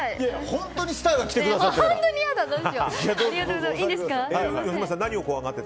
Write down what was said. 本当にスターが来てくださって。